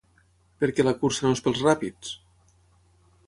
Per què la cursa no és pels ràpids?